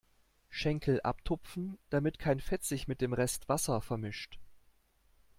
Schenkel abtupfen, damit kein Fett sich mit dem Rest Wasser vermischt.